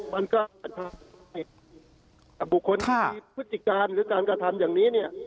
มันก็จะผลิตกับบุคคลที่ผู้จิการหรือการกระทำอย่างนี้เนี่ย